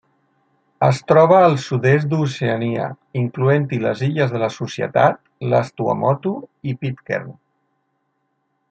Es troba al sud-est d'Oceania, incloent-hi les Illes de la Societat, les Tuamotu i Pitcairn.